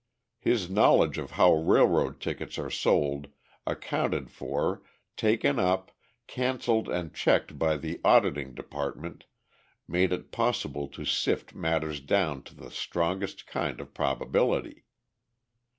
His knowledge of how railroad tickets are sold, accounted for, taken up, cancelled and checked by the auditing department made it possible to sift matters down to the strongest kind of probability.